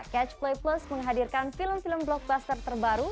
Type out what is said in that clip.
catch play plus menghadirkan film film blockbuster terbaru